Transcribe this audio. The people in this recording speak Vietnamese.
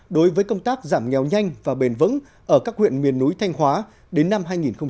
đối với công tác giảm nghèo nhanh và bền vững ở các huyện miền núi thanh hóa đến năm hai nghìn hai mươi